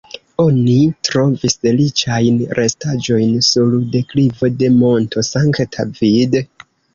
Oni trovis riĉajn restaĵojn sur deklivo de monto Sankta Vid.